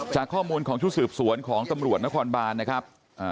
จากข้อมูลของชุดสืบสวนของตำรวจนครบานนะครับ